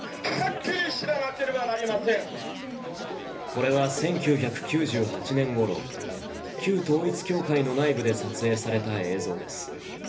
これは１９９８年ごろ、旧統一教会の内部で撮影された映像です。